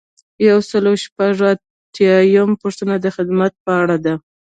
یو سل او شپږ اتیایمه پوښتنه د خدمت په اړه ده.